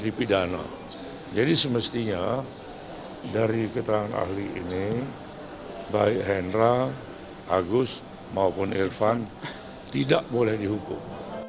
dipidana jadi semestinya dari keterangan ahli ini baik hendra agus maupun irfan tidak boleh dihukum